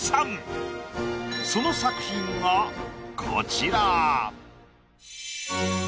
その作品がこちら。